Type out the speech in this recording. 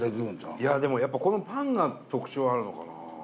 いやでもやっぱこのパンが特徴あるのかな。